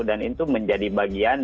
dan itu menjadi bagiannya